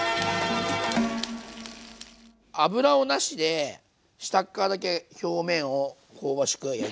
油をなしで下っ側だけ表面を香ばしく焼いていきます。